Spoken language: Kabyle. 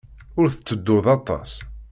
Ur tettedduḍ aṭas.